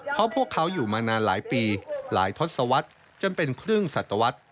เพราะพวกเขาอยู่มานานหลายปีหลายทศวรรษจนเป็นครึ่งสัตวรรษ